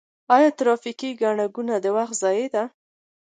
آیا ټرافیکي ګڼه ګوڼه د وخت ضایع ده؟